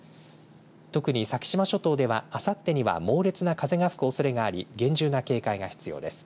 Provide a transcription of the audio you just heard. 特に先島諸島では、あさってには猛烈な風が吹くおそれがあり厳重な警戒が必要です。